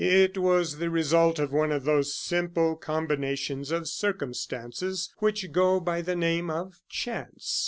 It was the result of one of those simple combinations of circumstances which go by the name of chance.